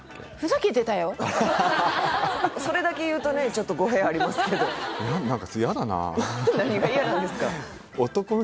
それだけ言うとねちょっと語弊ありますけど何が嫌なんですか？